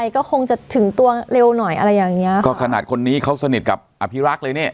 ก็คงจะถึงตัวเร็วหน่อยอะไรอย่างเงี้ยก็ขนาดคนนี้เขาสนิทกับอภิรักษ์เลยเนี่ย